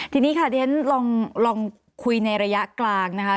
ทีนี้ค่ะเดี๋ยวฉันลองคุยในระยะกลางนะคะ